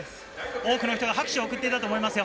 多くの人が拍手を送っていたと思いますよ。